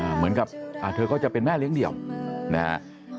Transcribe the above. เหมือนกับเธอก็จะเป็นแม่เลี้ยงเดี่ยวนะฮะ